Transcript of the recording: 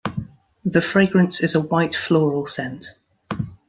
The fragrance is a white floral scent.